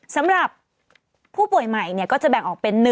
สำหรับผู้ป่วยใหม่ก็จะแบ่งออกเป็น๑